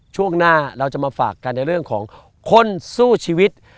ช่วงหน้าเราจะมาฝากกันในเรื่องของคนสู้ชีวิต